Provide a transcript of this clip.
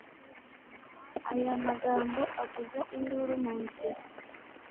Aya magambo avuza induru mu nzira